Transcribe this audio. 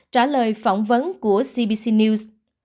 trả lời phỏng vấn của cbc news